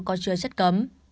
có chứa chất cấm